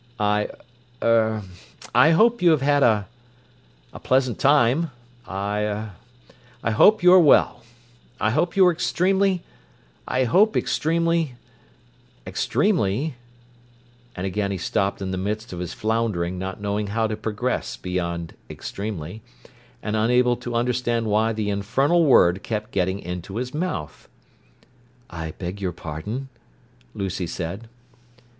"I er—I hope you have had a—a pleasant time. I er—I hope you are well. I hope you are extremely—I hope extremely—extremely—" And again he stopped in the midst of his floundering, not knowing how to progress beyond "extremely," and unable to understand why the infernal word kept getting into his mouth. "I beg your pardon?" Lucy said.